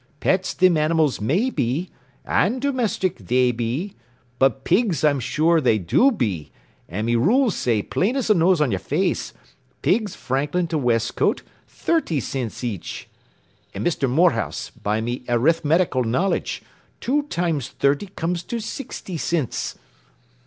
Pets thim animals may be, an' domestic they be, but pigs I'm blame sure they do be, an' me rules says plain as the nose on yer face, 'Pigs Franklin to Westcote, thirty cints each.' An' Mister Morehouse, by me arithmetical knowledge two times thurty comes to sixty cints.